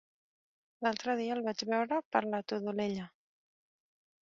L'altre dia el vaig veure per la Todolella.